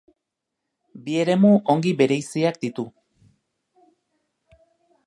Bi eremu ongi bereiziak ditu.